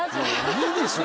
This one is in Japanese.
もういいでしょ？